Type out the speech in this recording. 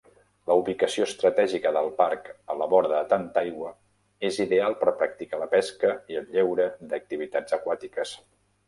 La ubicació estratègica del parc a la vora de tanta aigua és ideal per practicar la pesca i el lleure d'activitats aquàtiques.